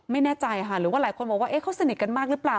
ไม่แน่ใจค่ะหรือว่าหลายคนบอกว่าเขาสนิทกันมากหรือเปล่า